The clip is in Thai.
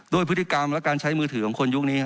ด้วยพฤติกรรมและการใช้มือถือของคนยุคนี้